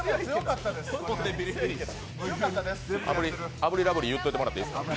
炙りラブリー言っといてもらっていいですか？